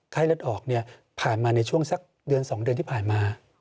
ไข้เลือดออกผ่านมาในช่วงสักเดือน๒เดือนที่ผ่านมา